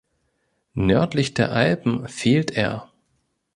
Nördlich der Alpen fehlt er.